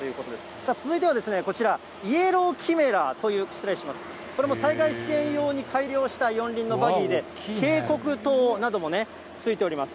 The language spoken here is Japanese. さあ続いてはこちら、イエローキメラという、失礼します、これも災害支援用に改良した四輪のバギーで、警告灯などもついております。